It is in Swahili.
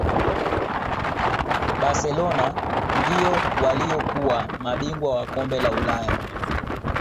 barcelona ndio waliyokuwa mabingwa wa kombe la ulaya